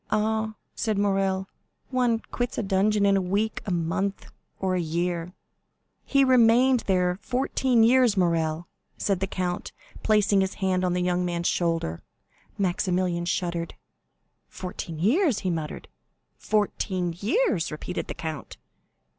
"Ah," said Morrel, "one quits a dungeon in a week, a month, or a year." "He remained there fourteen years, Morrel," said the count, placing his hand on the young man's shoulder. Maximilian shuddered. "Fourteen years!" he muttered. "Fourteen years!" repeated the count.